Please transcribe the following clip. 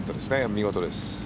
見事です。